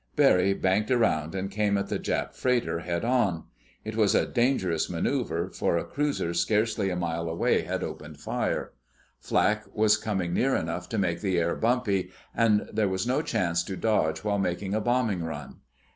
Barry banked around and came at the Jap freighter head on. It was a dangerous maneuver, for a cruiser scarcely a mile away had opened fire. Flak was coming near enough to make the air bumpy, and there was no chance to dodge while making a bombing run.